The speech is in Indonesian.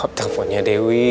jawab defe nomonya dewi